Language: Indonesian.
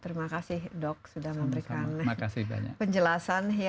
terima kasih dok sudah memberikan penjelasan